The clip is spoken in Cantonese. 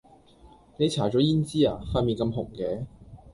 你搽左胭脂呀？塊臉咁紅嘅